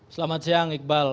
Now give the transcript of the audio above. selamat siang iqbal